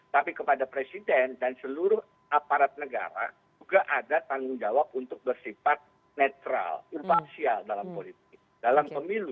tapi kepada presiden dan seluruh aparat negara juga ada tanggung jawab untuk bersifat netral imparsial dalam politik dalam pemilu